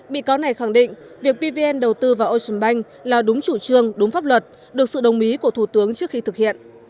bị cáo này khẳng định việc pvn đầu tư vào ocean bank là đúng chủ trương đúng pháp luật được sự đồng ý của thủ tướng trước khi thực hiện